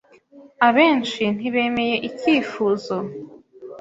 Abenshi ntibemeye icyifuzo.